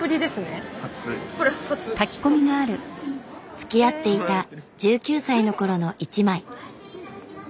つきあっていた１９歳の頃の一枚。